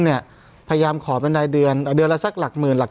พยายามขอเป็นรายเดือนเดือนละสักหลักหมื่นหลัก